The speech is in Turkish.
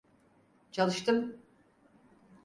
Çalıştım.